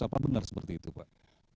apakah benar seperti itu pak